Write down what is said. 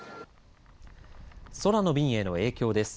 空の便への影響です。